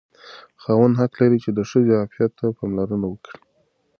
خاوند حق لري چې د ښځې عفت ته پاملرنه وکړي.